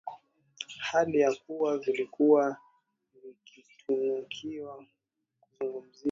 hali ya kuwa vilikuwa vikituniwa kuzungumzia